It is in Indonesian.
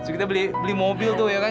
kita beli mobil tuh ya kan